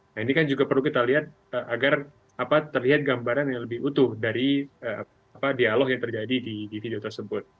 nah ini kan juga perlu kita lihat agar terlihat gambaran yang lebih utuh dari dialog yang terjadi di video tersebut